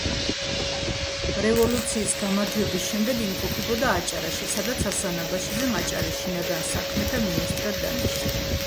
რევოლუციის გამარჯვების შემდეგ იმყოფებოდა აჭარაში, სადაც ასლან აბაშიძემ აჭარის შინაგან საქმეთა მინისტრად დანიშნა.